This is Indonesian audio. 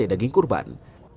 sate daging korban